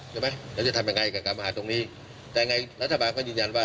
ใช่ไหมแล้วจะทำยังไงกับการประหารตรงนี้แต่ไงรัฐบาลก็ยืนยันว่า